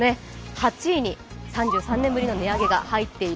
８位に、３３年ぶりの値上げが入っている。